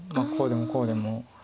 こうでもこうでも。